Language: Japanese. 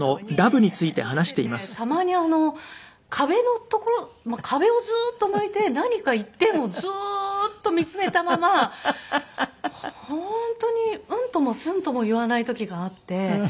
たまに壁の所壁をずっと向いて何か一点をずーっと見つめたまま本当にうんともすんとも言わない時があって。